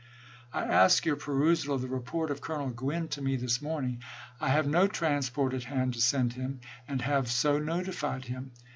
I ask your perusal of the report of Colonel Gwynn to me, this morning. I have no transport at hand to send him, and have so notified him.